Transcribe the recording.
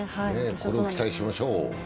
今後に期待しましょう。